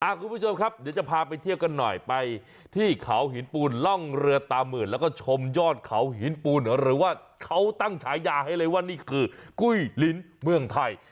คุณผู้ชมครับเดี๋ยวจะพาไปเที่ยวกันหน่อยไปที่เขาหินปูนร่องเรือตามื่นแล้วก็ชมยอดเขาหินปูนหรือว่าเขาตั้งฉายาให้เลยว่านี่คือกุ้ยลิ้นเมืองไทย